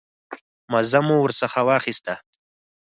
مزه مو ورڅخه واخیسته.